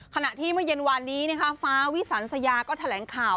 ขณะที่เมื่อเย็นวานนี้นะคะฟ้าวิสันสยาก็แถลงข่าว